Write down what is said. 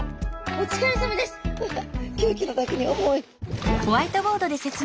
おつかれさまです。